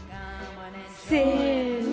せの。